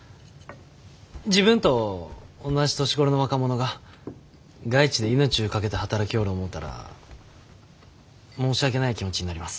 自分とおんなじ年頃の若者が外地で命ゅう懸けて働きょおる思うたら申し訳ない気持ちになります。